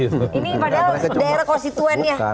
ini padahal daerah konstituennya